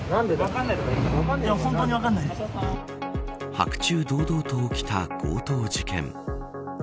白昼堂々と起きた強盗事件。